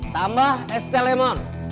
tambah es teh lemon